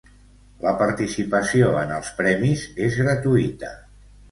La participació en els premis és gratuïta.